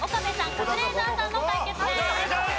カズレーザーさんの対決です。